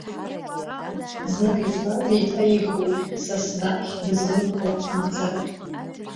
Знык избаз еиҭа ихоит, сас дахь дызгымхо Амзара.